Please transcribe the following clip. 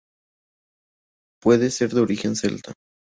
Puede ser de origen celta.